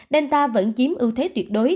delta vẫn chiếm ưu thế tuyệt đối